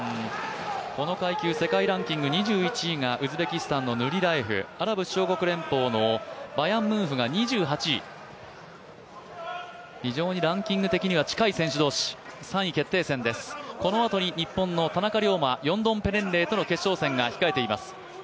この階級世界ランキング２１位がウズベキスタンのヌリラエフ、アラブ首長国連邦のバヤンムンフが２８位、非常にランキング的には近い選手同士、３位決定戦ですこのあとに日本の田中龍馬、ヨンドンペレンレイとの決勝戦です。